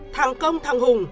thằng công thằng hùng